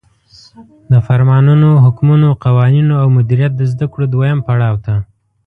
د فرمانونو، حکمونو، قوانینو او مدیریت د زدکړو دویم پړاو ته